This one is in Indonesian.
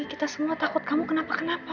kita semua takut kamu kenapa kenapa